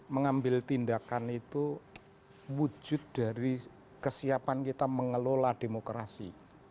mengambil tindakan itu wujud dari kesiapan kita mengelola demokrasi